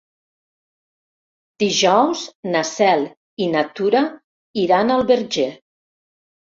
Dijous na Cel i na Tura iran al Verger.